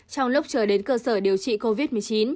trong lúc chờ đến cơ sở điều trị covid một mươi chín